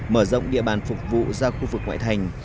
mở rộng địa bàn phục vụ ra khu vực ngoại thành